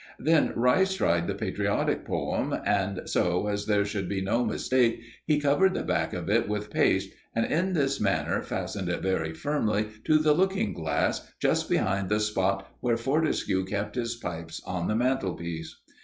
Then Rice tried the patriotic poem, and so as there should be no mistake he covered the back of it with paste, and in this manner fastened it very firmly to the looking glass, just behind the spot where Fortescue kept his pipes on the mantelpiece.